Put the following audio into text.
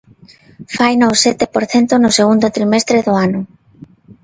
Faino o sete por cento no segundo trimestre do ano.